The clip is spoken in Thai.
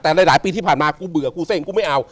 แต่หลายปีที่ผ่านมากูเบื่อกูเส้งกูไม่เอา